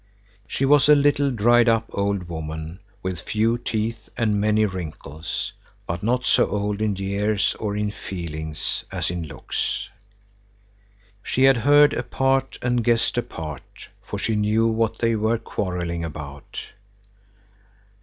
She was a little, dried up old woman with few teeth and many wrinkles, but not so old in years or in feelings as in looks. She had heard a part and guessed a part, for she knew what they were quarrelling about.